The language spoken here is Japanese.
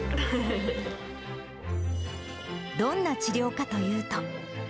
どんな治療かというと。